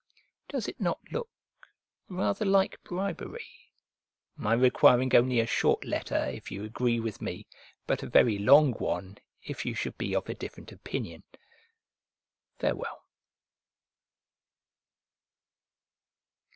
Does it not look rather like bribery, my requiring only a short letter, if you agree with me; but a very long one if you should be of a different opinion. Farewell.